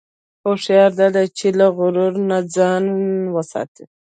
هوښیاري دا ده چې له غرور نه ځان وساتې.